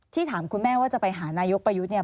ที่ถามคุณแม่ว่าจะไปหานายกประยุทธิ์